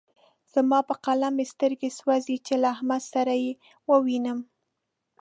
زما په قلم مې سترګې سوځې چې له احمد سره يې ووينم.